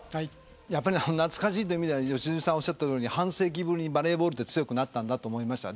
やっぱり懐かしいという意味では良純さんがおっしゃったとおりに半世紀ぶりにバレーボール強くなったんだと思いました。